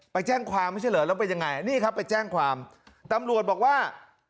ไปแจ้งความไม่ใช่เหรอแล้วเป็นยังไงนี่ครับไปแจ้งความตำรวจบอกว่า